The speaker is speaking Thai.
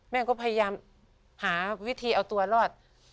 แม่ก็พยายามหาวิธีเอาตัวรอด